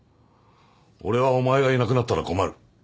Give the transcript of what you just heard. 俺はお前がいなくなったら困る。